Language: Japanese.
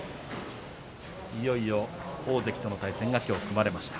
いよいよ大関との対戦がきょう組まれました。